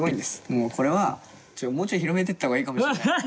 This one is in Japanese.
もうこれはもうちょい広めていった方がいいかもしれない。